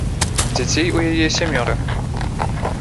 Дзяцей у яе сямёра.